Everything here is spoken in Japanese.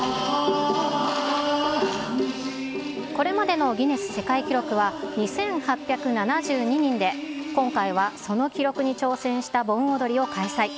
これまでのギネス世界記録は２８７２人で、今回はその記録に挑戦した盆踊りを開催。